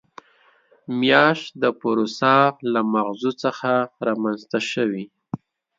میاشت د پوروسا له مغزو څخه رامنځته شوې.